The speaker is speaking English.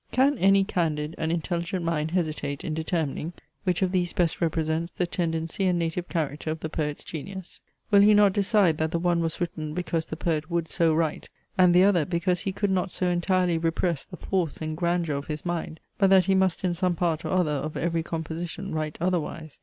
Can any candid and intelligent mind hesitate in determining, which of these best represents the tendency and native character of the poet's genius? Will he not decide that the one was written because the poet would so write, and the other because he could not so entirely repress the force and grandeur of his mind, but that he must in some part or other of every composition write otherwise?